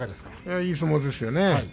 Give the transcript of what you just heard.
いい相撲ですね